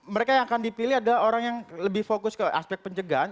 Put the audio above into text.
mereka yang akan dipilih adalah orang yang lebih fokus ke aspek pencegahan